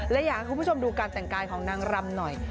และอยากให้คุณผู้ชมดูการแต่งกายของนางรำหน่อย